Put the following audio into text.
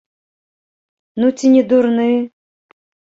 Ну ці не дурны!